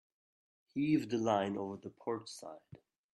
Heave the line over the port side.